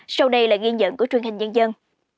sau đây là ghi nhận của truyền hình nhân dân